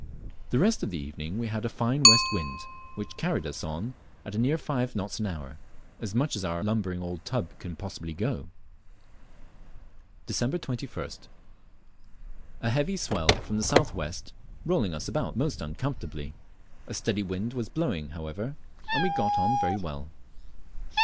The rest of the evening we had a fine west wind, which carried us on at near five knots an hour, as much as our lumbering old tub can possibly go. Dec. 21st. A heavy swell from the south west rolling us about most uncomfortably. A steady wind was blowing however, and we got on very well.